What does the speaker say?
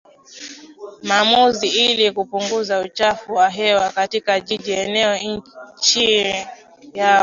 maamuzi ili kupunguza uchafuzi wa hewa katika jiji eneo nchi yao